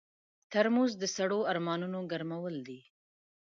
ترموز د سړو ارمانونو ګرمول دي.